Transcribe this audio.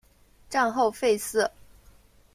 战后废寺。